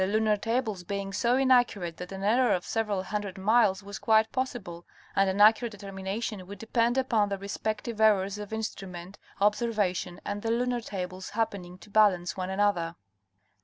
lunar tables being so inaccurate that an error of several hundred — miles was quite possible and an accurate determination would depend upon the respective errors of instrument, observation and the lunar tables happening to balance one another.